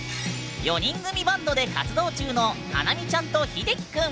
４人組バンドで活動中のはなみちゃんとひできくん。